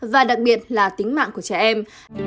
và đặc biệt là tính mạng của trẻ em